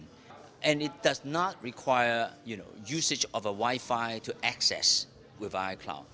dan tidak memerlukan penggunaan wi fi untuk mengakses icloud